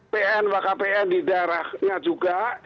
pn wakaf pn di daerahnya juga